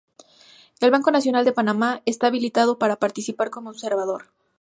El Banco Nacional de Panamá está habilitado para participar como observador.